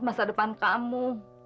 masa depan kamu